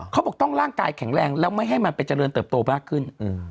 เขาบอกต้องร่างกายแข็งแรงแล้วไม่ให้มันไปเจริญเติบโตมากขึ้น